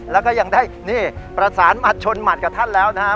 แล้วก็ยังได้นี่ประสานหมัดชนหมัดกับท่านแล้วนะครับ